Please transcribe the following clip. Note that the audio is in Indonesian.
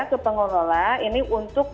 ke pengelola ini untuk